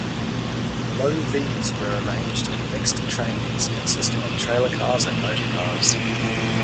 Lo-Vs were arranged in mixed trains consisting of trailer cars and motor cars.